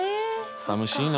さみしいな。